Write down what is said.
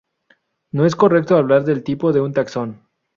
No es correcto hablar del tipo de un taxón.